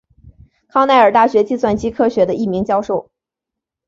康奈尔大学计算机科学的一名教授。